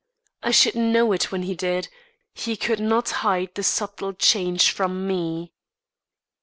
I should know it when he did; he could not hide the subtle change from me.